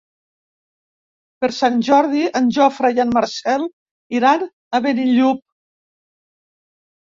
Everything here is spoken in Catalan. Per Sant Jordi en Jofre i en Marcel iran a Benillup.